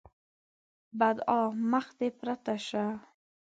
بدعا: مخ دې پرته شه!